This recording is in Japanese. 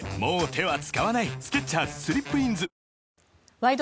「ワイド！